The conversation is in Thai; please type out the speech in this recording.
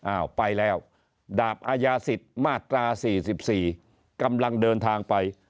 อ้าวไปแล้วดาบอายาศิษย์มาตรา๔๔กำลังเดินทางไป